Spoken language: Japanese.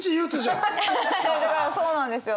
アハハだからそうなんですよ。